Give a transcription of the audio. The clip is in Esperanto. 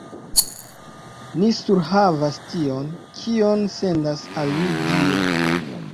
Ni surhavas tion, kion sendas al ni Dio!